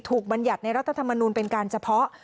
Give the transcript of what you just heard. บรรยัติในรัฐธรรมนูลเป็นการเฉพาะ